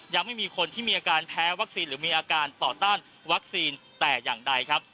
ยังไม่มีคนที่มีอาการแพ้วัคซีนหรือมีอาการต่อต้านวัคซีนแต่อย่างใดครับ